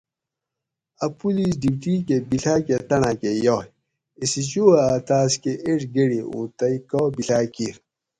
اۤ پولیس ڈیوٹی کہۤ بیڷاکہۤ تانڑاۤ کہۤ یائ ایس ایچ او اۤ تاۤس کہ ایڄ گڑی اُوں تئ کا بیڷاک کیر؟